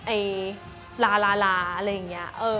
ไอ้ลาลาอะไรอย่างนี้